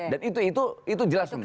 dan itu itu jelas